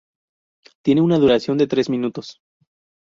Tiene una duración de unos tres minutos.